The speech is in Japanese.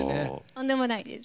とんでもないです。